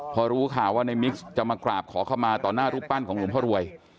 พอรู้ข่าวว่าในมิกซ์จะมากราบขอเข้ามาต่อหน้ารูปปั้นของหลวงพ่อรวย